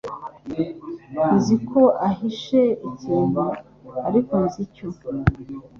Nzi ko ahishe ikintu, ariko sinzi icyo.